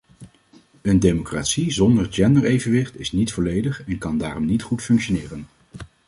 Een democratie zonder genderevenwicht is niet volledig en kan daarom niet goed functioneren.